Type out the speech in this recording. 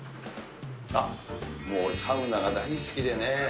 もう、サウナが大好きでね。